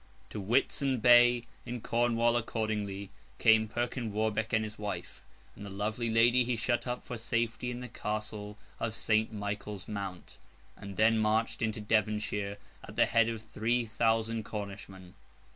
To Whitsand Bay, in Cornwall, accordingly, came Perkin Warbeck and his wife; and the lovely lady he shut up for safety in the Castle of St. Michael's Mount, and then marched into Devonshire at the head of three thousand Cornishmen.